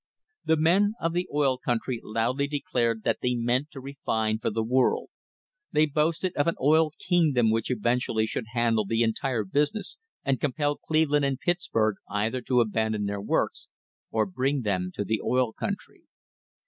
The men of the oil country loudly declared that they meant to refine for the world. They boasted of an oil kingdom which [5i] v' THE HISTORY OF THE STANDARD OIL COMPANY eventually should handle the entire business and compel Cleveland and Pittsburg either to abandon their works or bring them to the oil country.